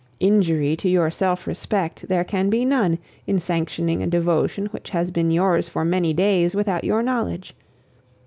Injury to your self respect there can be none in sanctioning a devotion which has been yours for many days without your knowledge.